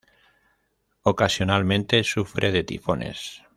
Ocasionalmente sufre de tifones.